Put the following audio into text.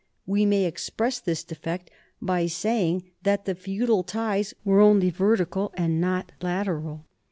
We may express this defect by saying that the feudal ties were only verti cal and not lateral.